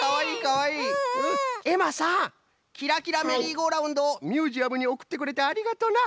えまさん「キラキラメリーゴーラウンド」をミュージアムにおくってくれてありがとうな！